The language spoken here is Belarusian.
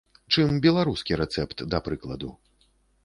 Чым беларускі рэцэпт, да прыкладу.